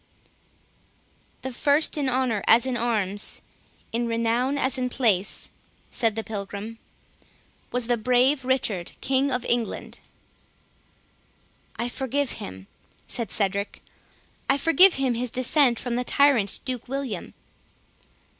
"The first in honour as in arms, in renown as in place," said the Pilgrim, "was the brave Richard, King of England." "I forgive him," said Cedric; "I forgive him his descent from the tyrant Duke William."